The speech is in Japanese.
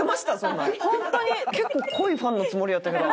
結構濃いファンのつもりやったけど。